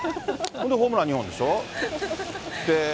んでホームラン２本でしょ。